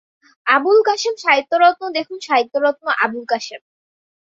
আবুল কাসেম সাহিত্যরত্ন দেখুন সাহিত্যরত্ন, আবুল কাসেম।